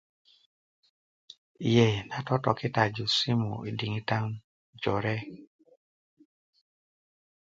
yee nan totokitaju simu yi diŋitan jore